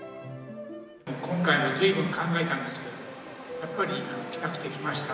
今回もずいぶん考えたんですけど、やっぱり来たくて来ました。